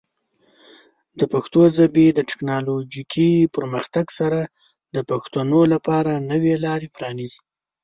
د پښتو ژبې د ټیکنالوجیکي پرمختګ سره، د پښتنو لپاره نوې لارې پرانیزي.